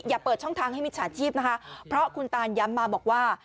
เปิดช่องทางให้มิจฉาชีพนะคะเพราะคุณตานย้ำมาบอกว่า